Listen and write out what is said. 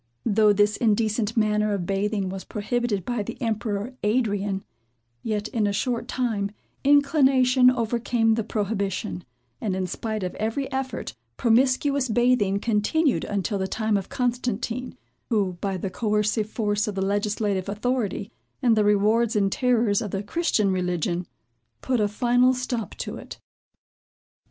Though this indecent manner of bathing was prohibited by the emperor Adrian; yet, in a short time, inclination overcame the prohibition; and, in spite of every effort, promiscuous bathing continued until the time of Constantine, who, by the coercive force of the legislative authority, and the rewards and terrors of the Christian religion, put a final stop to it.